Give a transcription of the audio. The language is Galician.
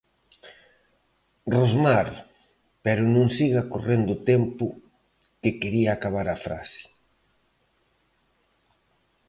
Rosmar, pero non siga correndo o tempo, que quería acabar a frase.